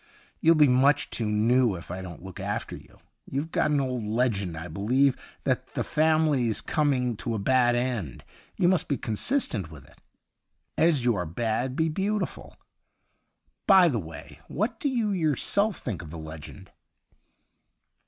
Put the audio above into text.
You'll be much too new if I don't look after you. You've got an old legend, I believe, that the family's coming to a bad end ; you must be consis tent with it. As you are bad, be beautiful. By the way, what do you yourself think of the legend